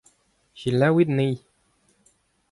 Selaouit anezhi.